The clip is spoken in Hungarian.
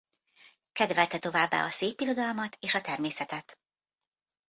Kedvelte továbbá a szépirodalmat és a természetet.